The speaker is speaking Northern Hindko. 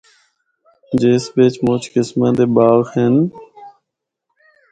جس بچ مُچ قسماں دے باغ ہن۔